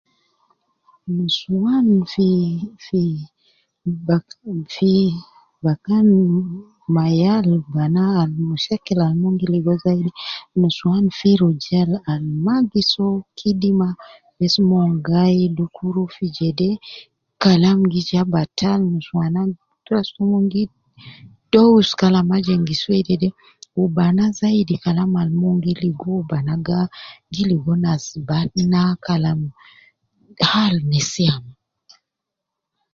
Nusuwan fi fi bakan fi bakan ma yal bana, al mushakil al mon gi ligo zaidi nusuwan fi rujal al ma gi soo kidima bes mon gai dukuru fi jede Kalam gi ja batal nusuwana, ras tomon gi dous kalama engis wedede wu bana zaidi Kalam al mon gi ligo, bana ga, gi ligo nas batna kalam, hal nesiya ma